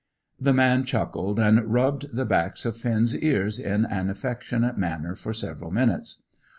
The man chuckled, and rubbed the backs of Finn's ears in an affectionate manner for several minutes.